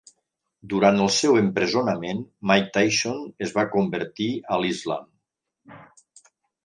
Durant el seu empresonament, Mike Tyson es va convertir a l'Islam.